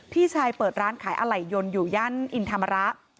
พี่ชายเปิดร้านขายอะไหล่ยนต์อยู่ย่านอินธรรมระ